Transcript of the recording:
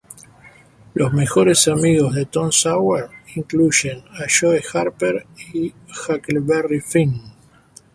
Los mejores amigos de Tom Sawyer incluyen a Joe Harper y Huckleberry Finn.